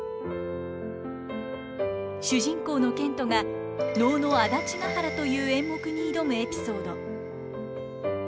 主人公の憲人が能の「安達原」という演目に挑むエピソード。